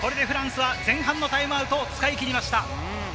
前半のタイムアウトを使い切りました。